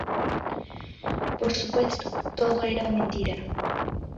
Por supuesto, todo era mentira.